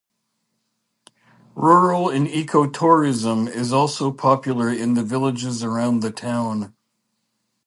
Rural and eco-tourism is also popular in the villages around the town.